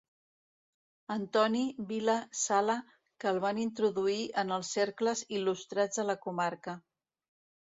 Antoni Vila Sala que el van introduir en els cercles il·lustrats de la comarca.